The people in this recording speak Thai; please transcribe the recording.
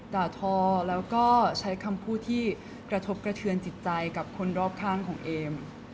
ด่าทอแล้วก็ใช้คำพูดที่กระทบกระเทือนจิตใจกับคนรอบข้างของเอม